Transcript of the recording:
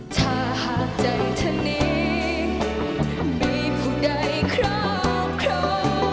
ถ้าหากใจท่านนี้มีผู้ใดครอบครอง